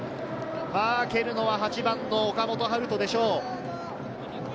蹴るのは８番の岡本温叶でしょう。